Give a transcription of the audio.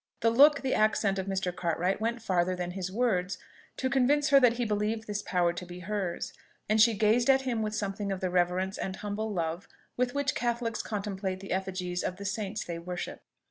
The look, the accent of Mr. Cartwright went farther than his words to convince her that he believed this power to be hers, and she gazed at him with something of the reverence and humble love with which Catholics contemplate the effigies of the saints they worship.